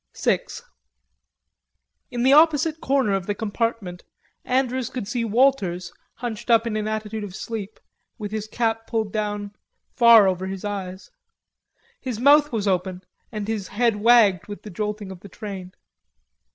VI In the opposite corner of the compartment Andrews could see Walters hunched up in an attitude of sleep, with his cap pulled down far over his eyes. His mouth was open, and his head wagged with the jolting of the train.